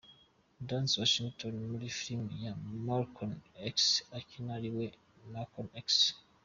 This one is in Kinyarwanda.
Denzel Washington muri Filime ya Malcom X akina ariwe Malcom X.